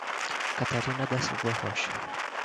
Catarina da Silva Rocha